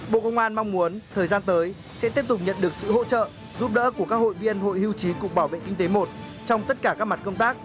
bộ công an mong muốn thời gian tới sẽ tiếp tục nhận được sự hỗ trợ giúp đỡ của các hội viên hội hưu trí cục bảo vệ kinh tế một trong tất cả các mặt công tác